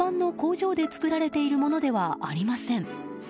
一般の工場で作られているものではありません。